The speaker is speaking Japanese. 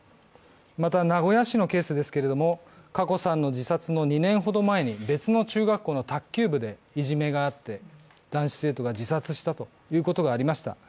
また、名古屋市のケースですけれども、華子さんの自殺の２年ほど前に別の中学校の卓球部でいじめがあって、男子生徒が自殺したことがありました。